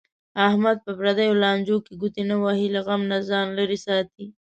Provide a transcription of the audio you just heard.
احمد په پردیو لانجو کې ګوتې نه وهي. له غم نه ځان لرې ساتي.